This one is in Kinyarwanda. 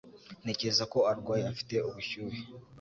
Ntekereza ko arwaye. Afite ubushyuhe.